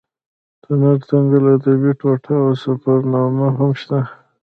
طنز تکل ادبي ټوټه او سفرنامه هم شته.